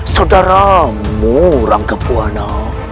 saudaramu rangka pulwana